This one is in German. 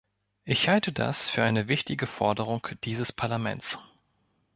Ich halte das für eine wichtige Forderung dieses Parlaments.